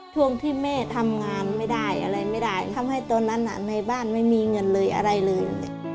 ช่วงที่แม่ทำงานไม่ได้อะไรไม่ได้ทำให้ตอนนั้นในบ้านไม่มีเงินเลยอะไรเลย